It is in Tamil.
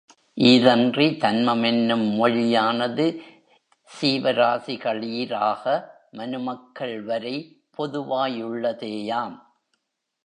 ஈதன்றி தன்மமென்னும் மொழியானது சீவராசிகளீராக மனுமக்கள் வரை பொதுவாயுள்ளதேயாம்.